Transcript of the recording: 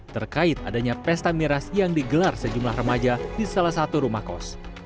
terkait adanya pesta miras yang digelar sejumlah remaja di salah satu rumah kos